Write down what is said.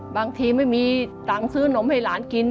บางทีไม่มีตังค์ซื้อนมให้หลานกิน